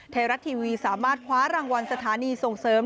ไทยรัฐทีวีสามารถคว้ารางวัลสถานีส่งเสริม